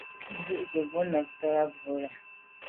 Jù jujù ze bo nabte à bwô là.